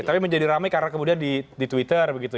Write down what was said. tapi menjadi ramai karena kemudian di twitter begitu ya